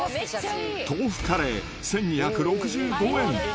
豆腐カレー１２６５円。